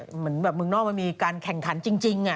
เหมือนแบบเมืองนอกมันมีการแข่งขันจริง